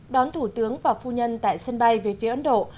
đón thủ tướng và phu nhân tại sân bay quân sự palam new delhi